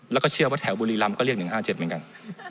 แล้วก็เชื่อว่าแถวบุรีรำก็เรียก๑๕๗เหมือนกัน